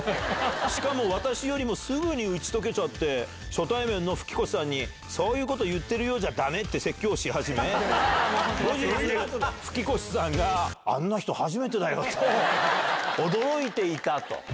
しかも私よりもすぐに打ち解けちゃって、初対面の吹越さんに、そういうこと言っているようじゃだめって説教し始め、後日、吹越さんが、あんな人初めてだよと驚いていたと。